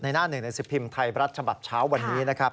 ในหน้าหนึ่งในสิทธิ์พิมพ์ไทยประจำบัติเช้าวันนี้นะครับ